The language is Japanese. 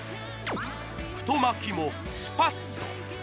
太巻きもスパッと！